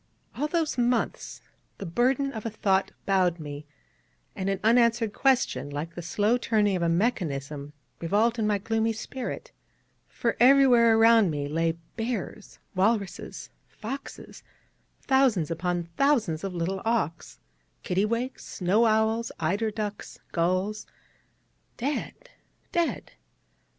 All those months the burden of a thought bowed me; and an unanswered question, like the slow turning of a mechanism, revolved in my gloomy spirit: for everywhere around me lay bears, walruses, foxes, thousands upon thousands of little awks, kittiwakes, snow owls, eider ducks, gulls dead, dead.